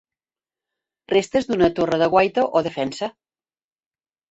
Restes d'una torre de guaita o defensa.